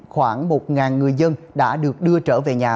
khoảng một người dân đã được đưa trở về nhà